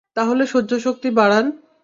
তাহলে সহ্যশক্তি বাড়ান।